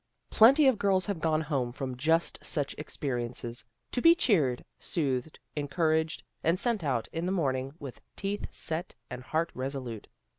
Plenty of girls have gone home from just such experiences, to be cheered, soothed, en couraged, and sent out in the morning with teeth set and heart resolute.